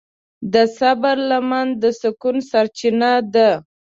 د صبر لمن د سکون سرچینه ده.